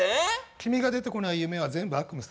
君が出てこない夢は全部悪夢さ。